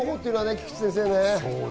菊地先生。